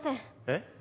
えっ？